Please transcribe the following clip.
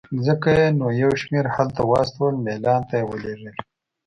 ځکه یې نو یو شمېر هلته واستول، میلان ته یې ولېږلې.